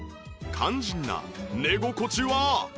肝心な寝心地は？